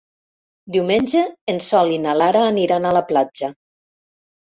Diumenge en Sol i na Lara aniran a la platja.